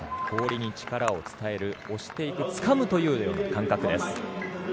氷に力を伝える、押していくつかむという感覚です。